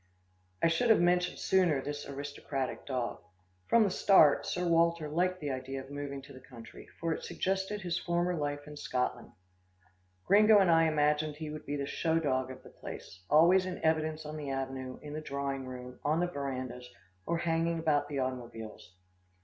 I should have mentioned sooner this aristocratic dog. From the start, Sir Walter liked the idea of moving to the country, for it suggested his former life in Scotland. Gringo and I imagined he would be the show dog of the place always in evidence on the avenue, in the drawing room, on the verandas, or hanging about the automobiles.